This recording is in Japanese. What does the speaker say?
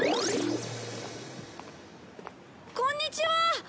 こんにちは。